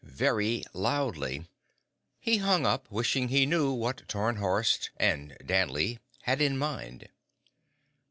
"Very loudly." He hung up, wishing he knew what Tarnhorst and Danley had in mind.